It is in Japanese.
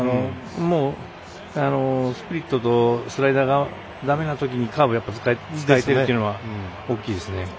もう、スプリットとスライダーがだめなときにカーブ、やっぱり使えるっていうのは大きいですね。